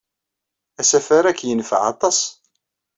Asafar-a ad k-yenfeɛ aṭas.